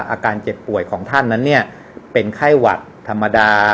อาการเจ็บป่วยของท่านนั้นเนี่ยเป็นไข้หวัดธรรมดา